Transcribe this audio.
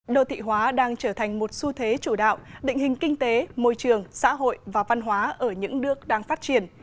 đô thị hóa đang trở thành một xu thế chủ đạo định hình kinh tế môi trường xã hội và văn hóa ở những nước đang phát triển